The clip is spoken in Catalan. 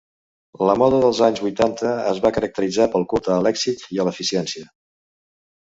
La moda dels anys vuitanta es va caracteritzar pel culte a l'èxit i a l'eficiència.